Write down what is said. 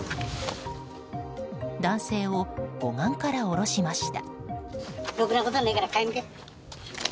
男性を護岸から下ろしました。